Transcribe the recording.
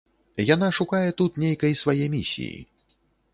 Яна шукае тут нейкай свае місіі.